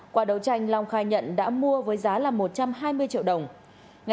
quả đầu tranh long khai nhận đã mua với giá là một trăm hai mươi triệu đồng